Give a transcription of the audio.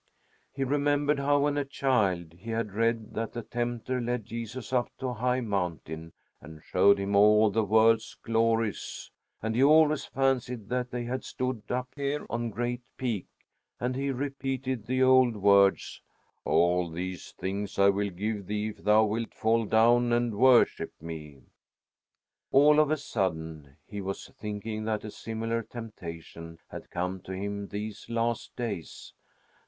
He remembered how, when a child, he had read that the tempter led Jesus up to a high mountain and showed him all the world's glories, and he always fancied that they had stood up here on Great Peak, and he repeated the old words: "All these things will I give thee if thou wilt fall down and worship me." All of a sudden he was thinking that a similar temptation had come to him these last days.